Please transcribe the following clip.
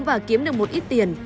và kiếm được một ít tiền